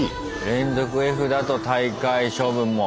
連続Ｆだと退会処分も。